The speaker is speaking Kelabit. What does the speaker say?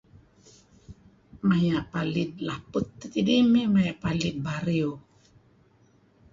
Maya' palid laput tidih mey maya' palid bariw.